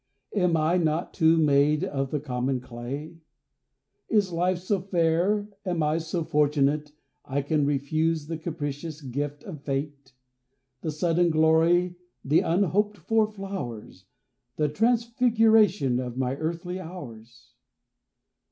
Am I not, too, made of the common clay? Is life so fair, am I so fortunate, I can refuse the capricious gift of Fate, The sudden glory, the unhoped for flowers, The transfiguration of my earthly hours?